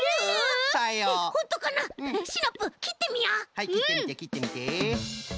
はいきってみてきってみて。